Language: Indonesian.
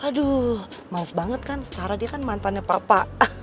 aduh males banget kan secara dia kan mantannya papa